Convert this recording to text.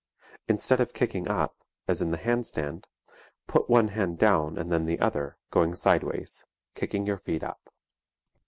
Instead of kicking up, as in the hand stand, put one hand down and then the other, going sidewise, kicking your feet up.